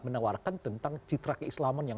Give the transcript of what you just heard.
menawarkan tentang citra keislaman yang